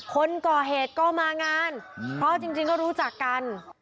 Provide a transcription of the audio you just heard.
คนก่อเหตุก็มางานเพราะจริงก็รู้จักกัน